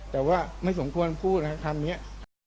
แต่ว่าไม่สมควรพูดนะครับคำนี้